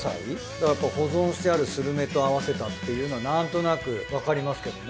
だからやっぱ保存してあるするめと合わせたっていうのなんとなくわかりますけどね。